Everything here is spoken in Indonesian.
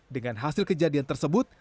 dengan hasil kejadian tersebut